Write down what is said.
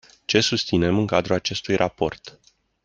Ce susținem în cadrul acestui raport?